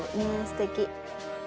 すてき。